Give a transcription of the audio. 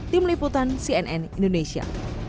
tim liputan cnn indonesia